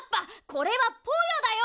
これはポヨだよ！